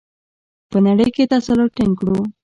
په نړۍ تسلط ټینګ کړو؟